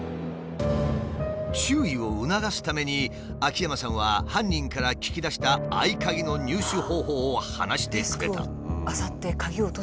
注意を促すために秋山さんは犯人から聞き出した合鍵の入手方法を話してくれた。